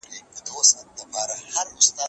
هغه باید د جرم د پېژندنې لپاره ډګر ته لاړ سي.